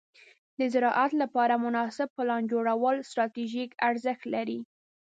د زراعت لپاره مناسب پلان جوړول ستراتیژیک ارزښت لري.